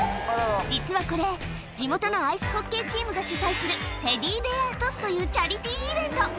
実はこれ、地元のアイスホッケーチームが主催する、テディベアトスというチャリティイベント。